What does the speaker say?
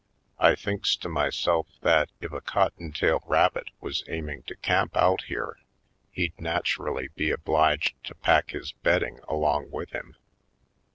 I thinks to myself that if a cotton tail rabbit was aiming to camp out here he'd naturally be obliged to pack his bedding along with him.